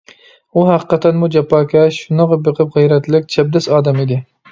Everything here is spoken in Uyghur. ئۇ ھەقىقەتەنمۇ جاپاكەش، شۇنىڭغا بېقىپ غەيرەتلىك، چەبدەس ئادەم ئىدى.